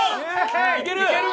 いける？